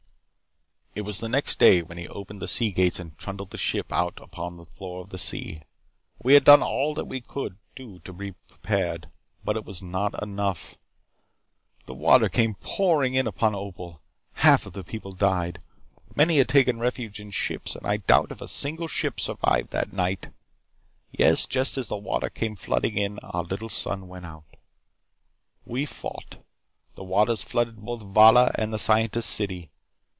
"It was the next day when he opened the sea gates and trundled the ship out upon the floor of the sea. We had done all that we could to be prepared. But it was not enough. "The water came pouring in upon Opal. Half of the people died. Many had taken refuge in ships, and I doubt if a single ship survived that night. Yes, just as the water came flooding in, our little sun went out. We fought. The waters flooded both Valla and the Scientists' City.